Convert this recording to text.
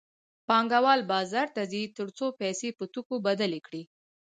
پانګوال بازار ته ځي تر څو پیسې په توکو بدلې کړي